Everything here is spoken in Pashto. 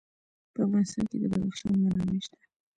په افغانستان کې د بدخشان منابع شته.